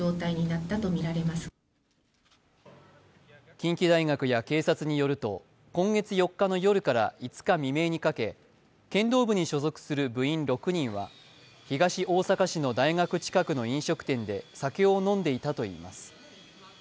近畿大学や警察によると、今月４日の夜から５日未明にかけ、剣道部に所属する部員６人は東大阪市の大学近くの飲食店で酒を飲んでいたといいます。